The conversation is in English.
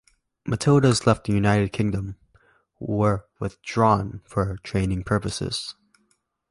Matilda Is left in the United Kingdom were withdrawn for training purposes.